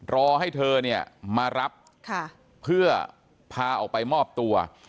รอให้เธอเนี่ยมารับเพื่อพาออกไปมอบตัว